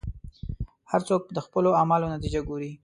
هر څوک د خپلو اعمالو نتیجه ګوري.